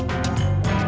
ya kalau laurel